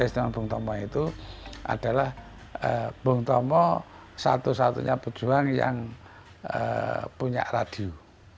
dengan bung tomo itu adalah bung tomo satu satunya pejuang yang punya radio